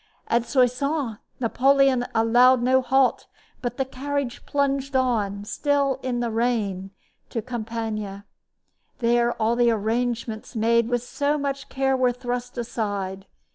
At Soissons Napoleon allowed no halt, but the carriage plunged on, still in the rain, to Compiegne. There all the arrangements made with so much care were thrust aside.